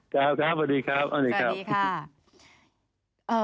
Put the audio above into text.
ครับครับสวัสดีครับอันนี้ครับ